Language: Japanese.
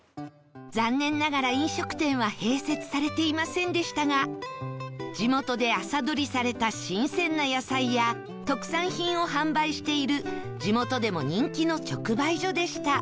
残念ながら飲食店は併設されていませんでしたが地元で朝採りされた新鮮な野菜や特産品を販売している地元でも人気の直売所でした